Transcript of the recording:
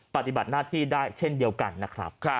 ปฏิบัติหน้าที่ได้เช่นเดียวกันนะครับ